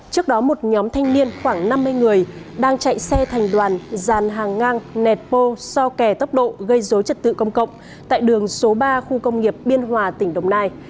trước đó một nhóm thanh niên khoảng năm mươi người đang chạy xe thành đoàn dàn hàng ngang nẹt bô so kẻ tốc độ gây dối trật tự công cộng tại đường số ba khu công nghiệp biên hòa tỉnh đồng nai